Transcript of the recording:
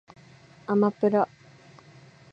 あまぷら